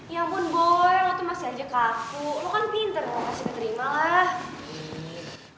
ya ampun boy lo tuh masih aja kaku lo kan pinter mau kasih keterima lah